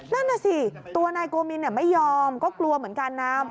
นั่นน่ะสิตัวนายโกมินไม่ยอมก็กลัวเหมือนกันนะ